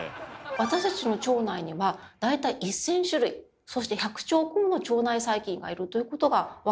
私たちの腸内には大体１，０００種類そして１００兆個もの腸内細菌がいるということが分かってるんですね。